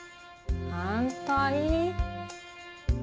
反対。